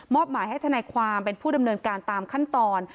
หมายให้ทนายความเป็นผู้ดำเนินการตามขั้นตอน